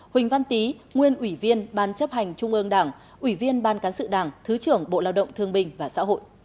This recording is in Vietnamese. huỳnh văn tý nguyên ủy viên ban chấp hành trung ương đảng ủy viên ban cán sự đảng thứ trưởng bộ lao động thương bình và xã hội